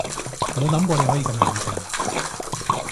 冇諗過你可以咁冷靜